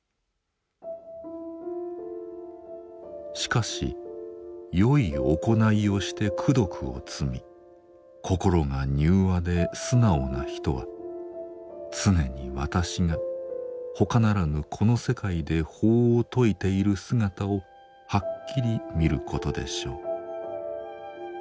しかし善い行いをして功徳を積み心が柔和で素直な人は常に私がほかならぬこの世界で法を説いている姿をはっきり見ることでしょう。